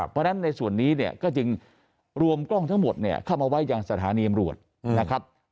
เพราะฉะนั้นในส่วนนี้เนี่ยก็จึงรวมกล้องทั้งหมดเนี่ยเข้ามาไว้ยังสถานีอำรวจนะครับ